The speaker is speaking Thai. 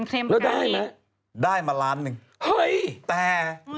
แล้วได้ไหมได้มาล้านหนึ่งเฮ้ยแต่